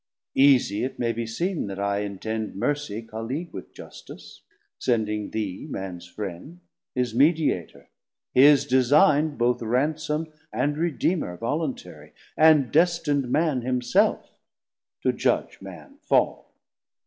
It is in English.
Easie it may be seen that I intend Mercie collegue with Justice, sending thee Mans Friend, his Mediator, his design'd 60 Both Ransom and Redeemer voluntarie, And destin'd Man himself to judge Man fall'n.